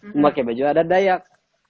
saya pakai baju adat dayak